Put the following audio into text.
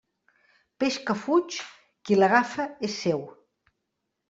Peix que fuig, qui l'agafa és seu.